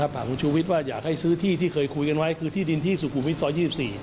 ถามคุณชูวิทย์ว่าอยากให้ซื้อที่ที่เคยคุยกันไว้คือที่ดินที่สุขุมวิทยซอย๒๔